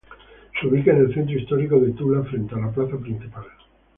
Se ubica en el centro histórico de Tula, frente a la plaza principal.